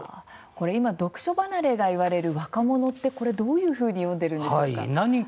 今、読書離れが言われている若者はどういうふうに読んでいるんでしょうか。